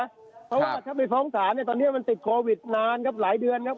เพราะว่าถ้าไปฟ้องศาลเนี่ยตอนนี้มันติดโควิดนานครับหลายเดือนครับ